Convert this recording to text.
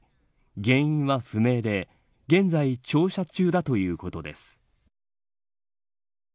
原因は不明で現在調査中だということです。